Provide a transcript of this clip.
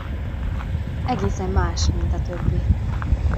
Egészen más, mint a többi.